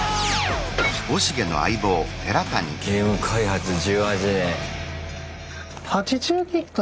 ゲーム開発１８年。